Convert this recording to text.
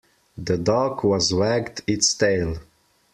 The dog was wagged its tail.